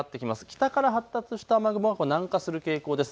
北から発達した雨雲は南下する傾向です。